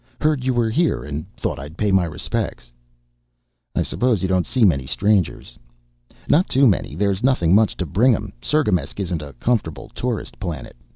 "Heard you were here and thought I'd pay my respects." "I suppose you don't see many strangers." "Not too many there's nothing much to bring 'em. Cirgamesç isn't a comfortable tourist planet.